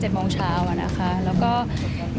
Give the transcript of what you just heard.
จริงเรามาก็ลงตั้งประมาณ๗โมงเช้า